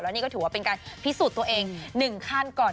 นี่ก็ถือว่าเป็นการพิสูจน์ตัวเอง๑ขั้นก่อน